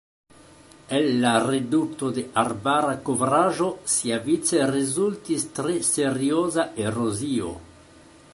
El la redukto de arbara kovraĵo siavice rezultis tre serioza erozio.